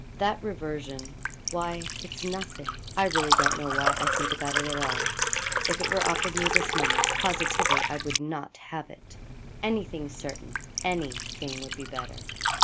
'That reversion! Why it's nothing I really don't know why I think about it at all. If it were offered me this moment, positively I would not have it. Anything certain any thing would be better.'